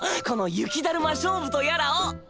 この雪だるま勝負とやらを。